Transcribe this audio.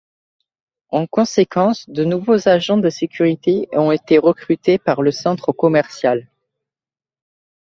En conséquence, de nouveaux agents de sécurité ont été recrutés par le centre commercial.